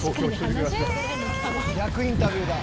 「逆インタビューだ」